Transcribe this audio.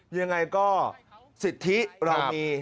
ยังไงก็สิทธิเรามี